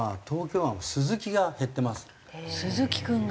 スズキ君が？